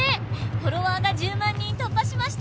フォロワーが１０万人突破しましたよ！」